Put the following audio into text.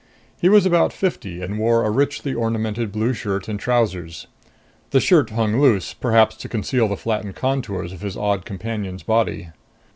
He was about fifty and wore a richly ornamented blue shirt and trousers. The shirt hung loose, perhaps to conceal the flattened contours of his odd companion's body.